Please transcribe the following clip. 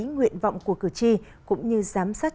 nguyện vọng của cử tri cũng như giám sát